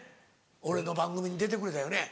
俺の番組に出てくれたよね？